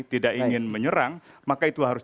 tidak ingin menyerang maka itu harus